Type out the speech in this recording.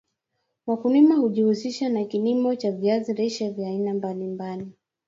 Wakulima hujihusisha na kilimo cha viazi lishe vya aina mbali mbali